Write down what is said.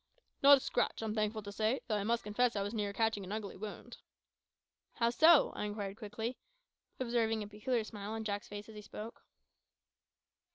"Not a scratch, I'm thankful to say; though I must confess I was near catching an ugly wound." "How so?" I inquired quickly, observing a peculiar smile on Jack's face as he spoke.